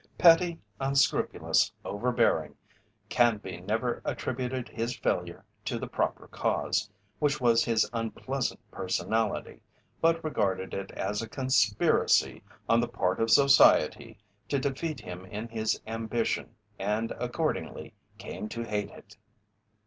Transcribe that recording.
Petty, unscrupulous, overbearing, Canby never attributed his failure to the proper cause, which was his unpleasant personality, but regarded it as a conspiracy on the part of Society to defeat him in his ambition and accordingly came to hate it.